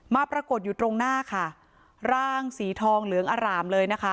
ปรากฏอยู่ตรงหน้าค่ะร่างสีทองเหลืองอร่ามเลยนะคะ